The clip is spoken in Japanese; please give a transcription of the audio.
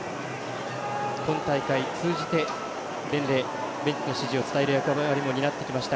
今大会、通じて伝令、ベンチの指示を伝える役割を担ってきました